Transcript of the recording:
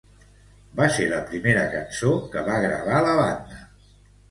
Va ser la primera cançó que va gravar la banda.